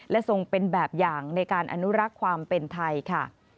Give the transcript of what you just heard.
และทรงเป็นแบบอย่างในการอนุรักษ์ความเป็นไทยค่ะ